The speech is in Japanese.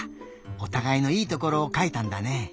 おたがいのいいところをかいたんだね。